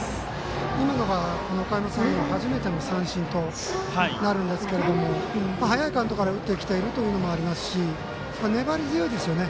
今のが、おかやま山陽初めての三振となるんですが早いカウントから打ってきているのがありますし粘り強いですよね。